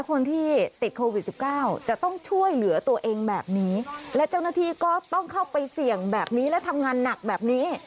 คนที่ติดโควิดสิบเก้าจะต้องช่วยเหลือตัวเองแบบนี้และเจ้าหน้าที่ก็ต้องเข้าไปเสี่ยงแบบนี้และทำงานหนักแบบนี้